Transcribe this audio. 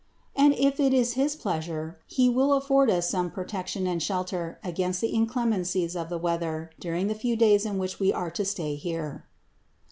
And if it is his pleasure, He will afford us some protection and shelter against the inclemencies of the weather during the few days in which we are to stay here."